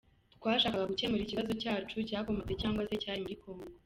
Twashakaga gukemura ikibazo cyacu cyakomotse cyangwa se cyari muri Congo.